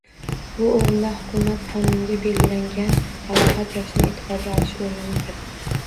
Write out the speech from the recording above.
Bu o‘rinda xukumat qonunida belgilangan balog‘at yoshini e'tiborga olish o‘rinlidir